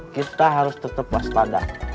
kita harus tetep waspada